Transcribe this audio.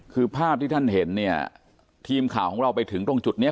คือภาพที่ท่านเห็นเนี่ยทีมข่าวของเราไปถึงตรงจุดเนี้ย